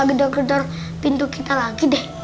gedor gedor pintu kita lagi deh